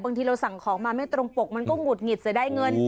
บางทีเราสั่งของมาไม่ตรงปกมันก็หงุดหงิดเสียได้เงิน